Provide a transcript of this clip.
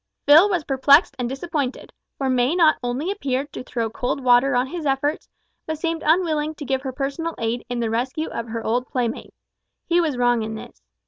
Phil was perplexed and disappointed, for May not only appeared to throw cold water on his efforts, but seemed unwilling to give her personal aid in the rescue of her old playmate. He was wrong in this.